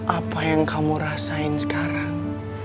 apa yang kamu rasain sekarang